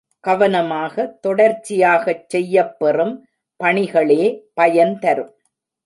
கவனமாக தொடர்ச்சியாகச் செய்யப் பெறும் பணிகளே பயன்தரும்.